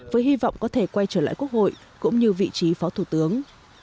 với hy vọng có thể quay trở lại quốc hội cũng như vị trí phó thủ tướng